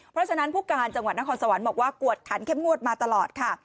เพราะฉะนั้นผู้การจังหวัดนครสวรรค์บอกว่ากวดขันเข้มงวดมาตลอดค่ะ